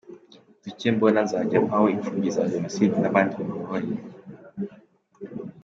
Duke mbona nzajya mpaho imfubyi za Jenoside n’abandi bababaye.